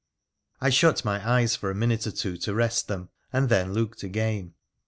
I shut my eyes for a minute or two to rest them, and then looked again.